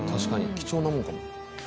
貴重なもんかも。